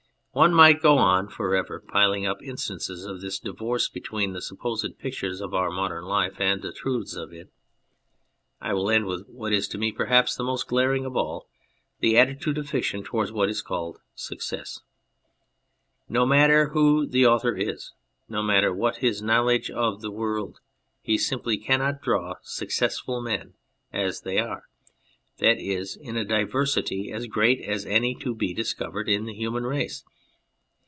One might go on for ever piling up instances 01 this divorce between the supposed pictures of our modern life and the truths of it. I will end with what is to me, perhaps, the most glaring of all : the attitude of fiction towards what is called " success." No matter who the author is, no matter what his knowledge of the world, he simply cannot draw "successful men " as they are, that is, in a diversity as great as any to be discovered in the human race.